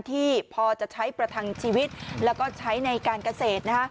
ที่พอจะใช้ประทังชีวิตแล้วก็ใช้ในการเกษตร